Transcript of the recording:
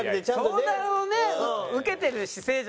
相談をね受けてる姿勢じゃ。